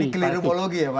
ini keliru biologi ya pak